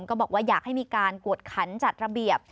ก็บอกว่าอยากให้มีการกวดขันจัดระเบียบ